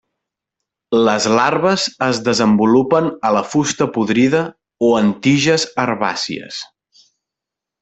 Les larves es desenvolupen a la fusta podrida o en tiges herbàcies.